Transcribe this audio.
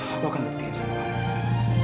aku akan deketin sama kamu